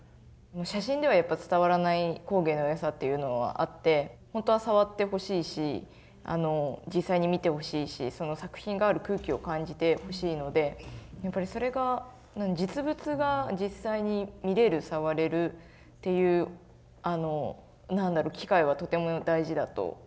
写真ではやっぱ伝わらない工芸のよさというのはあってほんとは触ってほしいし実際に見てほしいしその作品がある空気を感じてほしいのでやっぱりそれが実物が実際に見れる触れるっていう何だろう機会はとても大事だと思います。